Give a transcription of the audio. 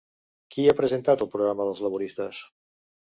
Qui ha presentat el programa dels laboristes?